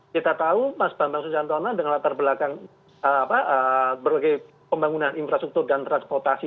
kita tahu mas bambang sujantono dengan latar belakang berbagai pembangunan infrastruktur dan transportasi